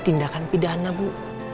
tindakan pidana bu